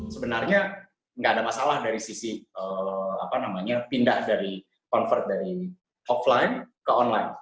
sebenarnya nggak ada masalah dari sisi pindah dari convert dari offline ke online